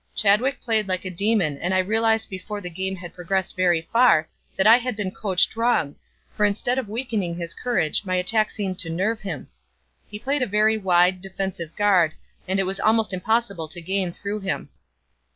Chadwick played like a demon and I realized before the game had progressed very far that I had been coached wrong, for instead of weakening his courage my attack seemed to nerve him. He played a very wide, defensive guard and it was almost impossible to gain through him.